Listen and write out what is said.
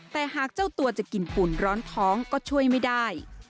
แต่หากเจ้าตัวจะกินปุ่นร้อนท้องก็ช่วยไม่ได้